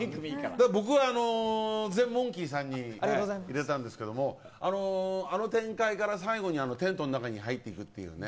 僕はゼンモンキーさんに入れたんですけどあの展開から最後にテントの中に入っていく。